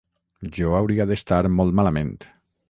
Jo hauria d’estar molt malament.